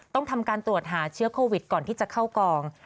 ต้องทำการตรวจหาเชื้อโควิดก่อนที่จะเข้ากอง